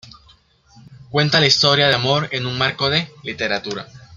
Cuenta la historia de amor en un marco de "literatura".